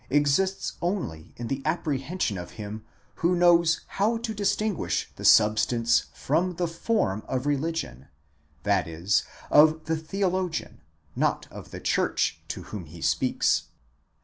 783 exists only in the apprehension of him who knows how to distinguish the substance from the form of religion, z.e., of the theologian, not of the church, to whom he speaks.